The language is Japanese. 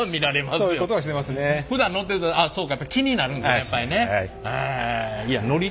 ああそうかって気になるんですねやっぱりね。